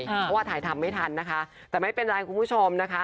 เพราะว่าถ่ายทำไม่ทันนะคะแต่ไม่เป็นไรคุณผู้ชมนะคะ